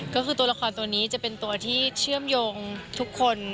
ก็คือตัวละครตัวนี้จะเป็นตัวที่เชื่อมโยงทุกคน